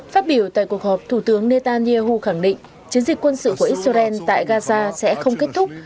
phát biểu tại cuộc họp thủ tướng netanyahu khẳng định chiến dịch quân sự của israel tại gaza sẽ không kết thúc